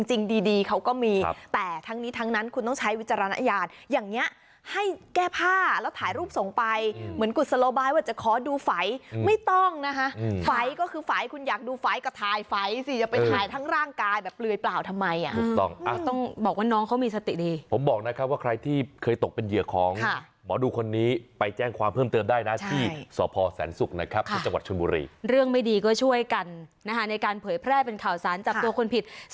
จริงดีเขาก็มีแต่ทั้งนี้ทั้งนั้นคุณต้องใช้วิจารณญาณอย่างเนี้ยให้แก้ผ้าแล้วถ่ายรูปส่งไปเหมือนกุศลบายว่าจะขอดูไฟไม่ต้องนะฮะไฟก็คือไฟคุณอยากดูไฟก็ถ่ายไฟสิจะไปถ่ายทั้งร่างกายแบบเปลือยเปล่าทำไมอ่ะต้องบอกว่าน้องเขามีสติดีผมบอกนะครับว่าใครที่เคยตกเป็นเหยื่อของหมอดูคนนี้ไปแจ้งความ